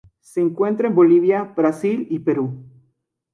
Se encuentra en Bolivia, Brasil y Perú.